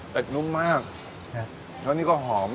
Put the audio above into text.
เป็ดนุ่มมากค่ะแล้วนี่ก็หอม